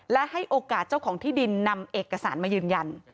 และให้โอกาสเจ้าของที่ดินนำเอกสารมายืนยัน